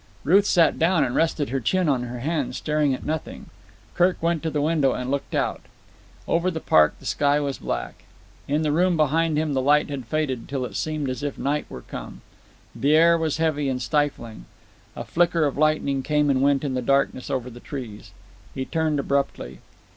Ruth sat down and rested her chin on her hand, staring at nothing. Kirk went to the window and looked out. Over the park the sky was black. In the room behind him the light had faded till it seemed as if night were come. The air was heavy and stifling. A flicker of lightning came and went in the darkness over the trees. He turned abruptly.